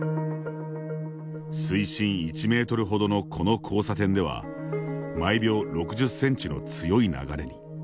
水深１メートルほどのこの交差点では毎秒６０センチの強い流れに。